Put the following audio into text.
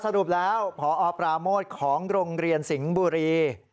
สรุปแล้วพอปราโมทของโรงเรียนสิงห์บุรี